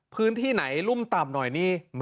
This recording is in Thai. พื้นที่ไหนรุ่มต่ำหน่อยนี่